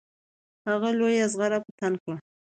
هغه لویه زغره په تن کړه.